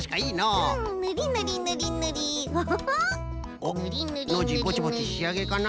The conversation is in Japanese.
おっノージーぼちぼちしあげかな。